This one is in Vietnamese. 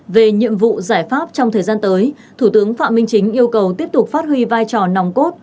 về nhiệm vụ giải pháp trong thời gian tới thủ tướng phạm minh chính yêu cầu tiếp tục phát huy vai trò nòng cốt